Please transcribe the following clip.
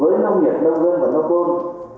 với nông nghiệp nông dân và nông công